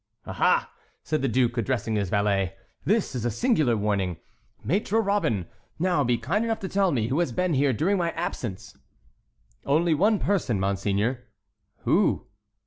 "Aha!" said the duke, addressing his valet, "this is a singular warning, Maître Robin. Now be kind enough to tell me who has been here during my absence." "Only one person, monseigneur." "Who?"